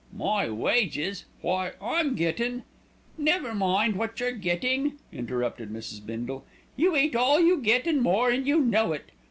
"My wages! why, I'm gettin' " "Never mind what you're getting," interrupted Mrs. Bindle. "You eat all you get and more, and you know it.